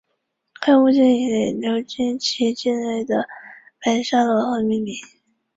贝蒂欧岛是椰子核和珍珠的主要出口港。